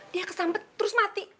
dia kesampe terus mati